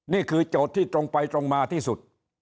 โจทย์ที่ตรงไปตรงมาที่สุด